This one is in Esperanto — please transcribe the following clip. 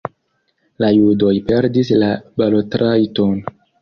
La judoj perdis la balotrajton.